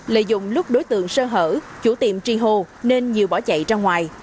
lợi dụng lúc đối tượng sơ hở chủ tiệm tri hồ nên nhiều bỏ chạy ra ngoài